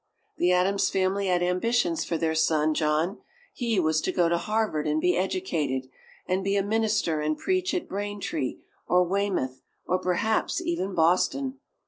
The Adams family had ambitions for their son John he was to go to Harvard and be educated, and be a minister and preach at Braintree, or Weymouth, or perhaps even Boston!